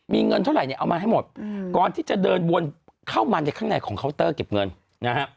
มีเงินเท่าไหร่เนี่ยเอามาให้หมดก่อนที่จะเดินวนเข้ามาในข้างในของเคาน์เตอร์เก็บเงินนะฮะ